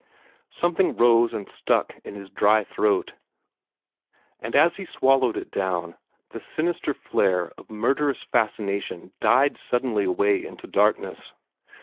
Something rose and stuck in his dry throat; and as he swallowed it down, the sinister flare of murderous fascination died suddenly away into darkness.